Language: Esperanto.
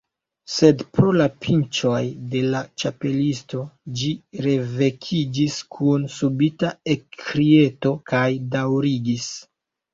Sed pro la pinĉoj de la Ĉapelisto, ĝi revekiĝis kun subita ekkrieto, kaj daŭrigis.